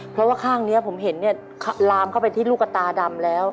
เพราะว่าข้างนี้ผมเห็นเนี่ยลามเข้าไปที่ลูกตาดำแล้ว